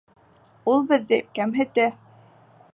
Ул беҙҙе кәмһетә.